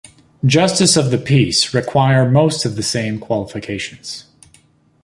Justices of the peace require most of the same qualifications.